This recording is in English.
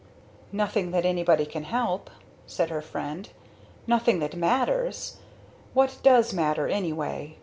"Nothing that anybody can help," said her friend. "Nothing that matters. What does matter, anyway?